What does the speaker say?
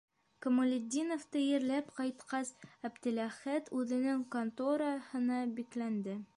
Камалетдиновты ерләп ҡайтҡас, Әптеләхәт үҙенең «контора»һына бикләнде.